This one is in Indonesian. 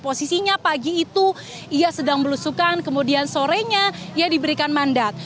posisinya pagi itu ia sedang berusukan kemudian sorenya ia diberikan mandat